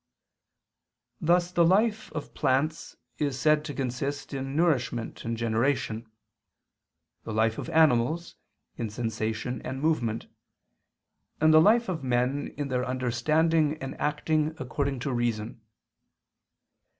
Thus the life of plants is said to consist in nourishment and generation; the life of animals in sensation and movement; and the life of men in their understanding and acting according to reason.